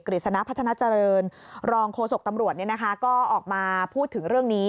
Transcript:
ฤษณะพัฒนาเจริญรองโฆษกตำรวจก็ออกมาพูดถึงเรื่องนี้